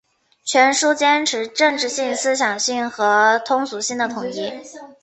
全书坚持政治性、思想性和通俗性的统一